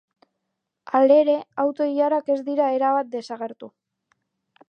Halere, auto-ilarak ez dira erabat desagertu.